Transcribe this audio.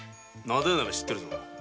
灘屋なら知ってるぞ。